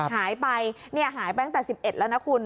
หายไปเนี่ยหายไปตั้งแต่สิบเอ็ดแล้วนะคุณ